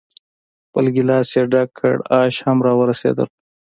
خپل ګیلاس یې ډک کړ، آش هم را ورسېدل.